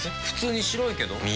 普通に白いけど。